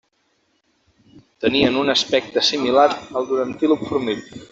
Tenien un aspecte similar al d'un antílop fornit.